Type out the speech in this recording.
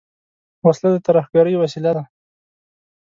وسله د ترهګرۍ وسیله ده